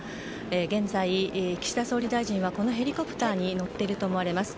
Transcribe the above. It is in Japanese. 現在、岸田総理大臣はこのヘリコプターに乗っているとみられます。